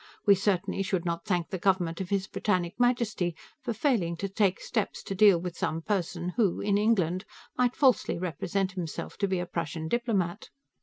We certainly should not thank the government of His Britannic Majesty for failing to take steps to deal with some person who, in England, might falsely represent himself to be a Prussian diplomat.